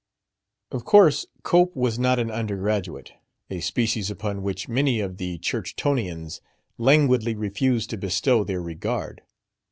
Of course Cope was not an undergraduate a species upon which many of the Churchtonians languidly refused to bestow their regard.